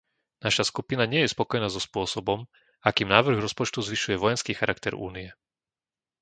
Naša skupina nie je spokojná so spôsobom, akým návrh rozpočtu zvyšuje vojenský charakter Únie.